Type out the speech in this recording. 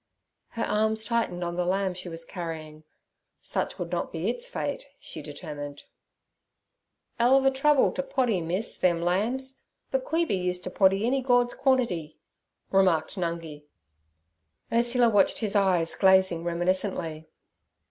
Her arms tightened on the lamb she was carrying, such would not be its fate, she determined. "Ell ov a trouble t' poddy, miss, them lambs, but Queeby used t' poddy any Gord's quantity' remarked Nungi. Ursula watched his eyes glazing reminiscently.